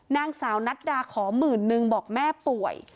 นางสาวนัดดาขอหมื่นนึงบอกแม่ป่วย